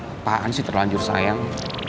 apaan sih terlanjur sayang